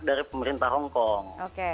dari pemerintah hongkong